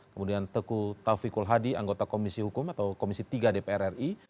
kemudian teguh taufikul hadi anggota komisi hukum atau komisi tiga dpr ri